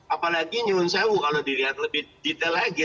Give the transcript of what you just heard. apalagi nyunsewuk kalau dilihat lebih detail lagi